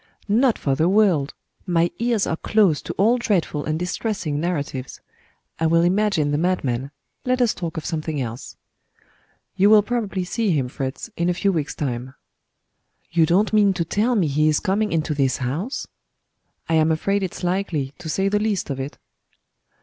"Not for the world. My ears are closed to all dreadful and distressing narratives. I will imagine the madman let us talk of something else." "You will probably see him, Fritz, in a few weeks' time." "You don't mean to tell me he is coming into this house?" "I am afraid it's likely, to say the least of it."